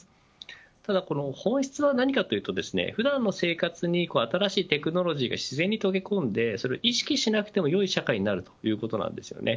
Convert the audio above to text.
本質は何かというと普段の生活に新しいテクノロジーが自然に溶け込んでそれを意識しなくてもよい社会になるということです。